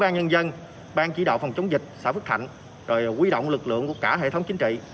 ủy ban nhân dân bang chỉ đạo phòng chống dịch xã phước thạnh rồi quy động lực lượng của cả hệ thống chính trị